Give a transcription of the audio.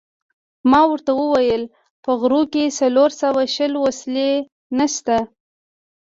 ما ورته وویل: په غرو کې څلور سوه شل وسلې نشته.